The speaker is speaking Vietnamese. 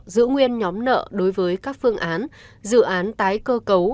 giữ nguyên nhóm nợ đối với các phương án dự án tái cơ cấu